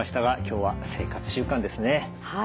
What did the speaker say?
はい。